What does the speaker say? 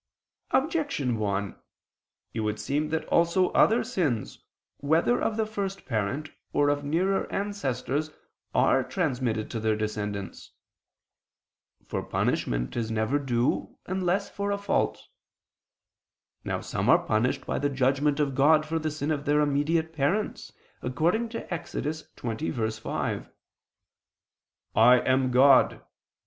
Objection 1: It would seem that also other sins, whether of the first parent or of nearer ancestors, are transmitted to their descendants. For punishment is never due unless for fault. Now some are punished by the judgment of God for the sin of their immediate parents, according to Ex. 20:5: "I am ... God